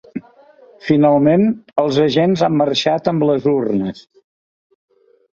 Finalment, els agents han marxat amb les urnes.